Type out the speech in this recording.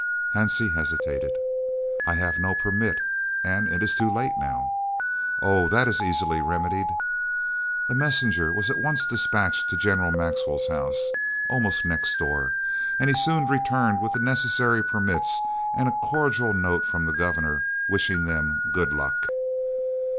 Hansie hesitated. "I have no permit, and it is too late now." "Oh, that is easily remedied." A messenger was at once dispatched to General Maxwell's house, almost next door, and he soon returned with the necessary permits and a cordial note from the Governor, wishing them "good luck."